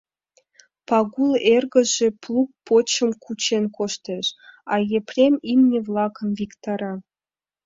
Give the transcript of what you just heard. Пагул эргыже плуг почым кучен коштеш, а Епрем имне-влакым виктара.